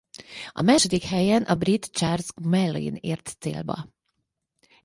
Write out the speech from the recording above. A második helyen a brit Charles Gmelin ért célba.